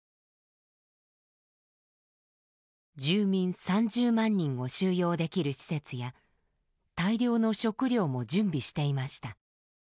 住民３０万人を収容できる施設や大量の食料も準備していました。